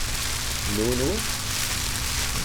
Nwen wa?